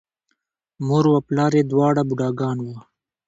مور و پلار یې دواړه بوډاګان وو،